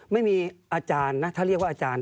ไม่มีอาจารย์นะถ้าเรียกว่าอาจารย์